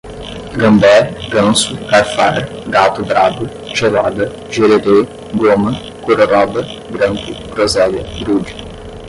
gambé, ganso, garfar, gato brabo, gelada, gererê, goma, gororóba, grampo, groselha, grude